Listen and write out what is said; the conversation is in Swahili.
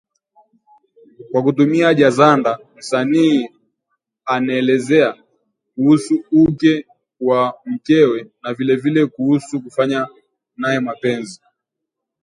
Kwa kutumia jazanda, msanii anelezea kuhusu uke wa mkewe na vilevile kuhusu kufanya naye mapenzi